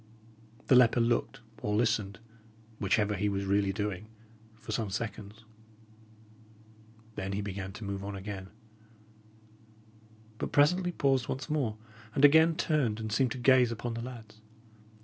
The leper looked or listened, whichever he was really doing, for some seconds. Then he began to move on again, but presently paused once more, and again turned and seemed to gaze upon the lads.